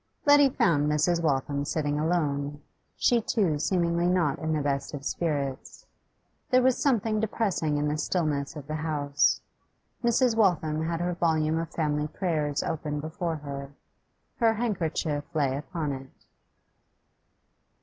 Letty found Mrs. Waltham sitting alone, she too seemingly not in the best of spirits. There was something depressing in the stillness of the house. Mrs. Waltham had her volume of family prayers open before her; her handkerchief lay upon it.